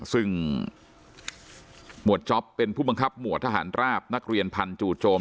ซึ่งหมวดจ๊อปเป็นผู้บังคับหมวดทหารราบนักเรียนพันธ์จู่โจม